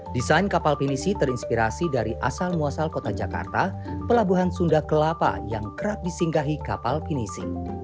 desain kapal pinisi terinspirasi dari asal muasal kota jakarta pelabuhan sunda kelapa yang kerap disinggahi kapal pinisi